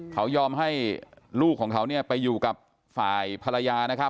เขายอมให้ลูกของเขาไปอยู่กับฝ่ายภรรยา